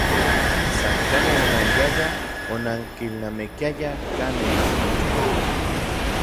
San kanin onanyayaj, onankilnamikiayaj kanin namochan.